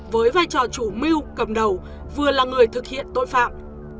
với vai trò chủ mưu cầm đầu vừa là người thực hiện tội phạm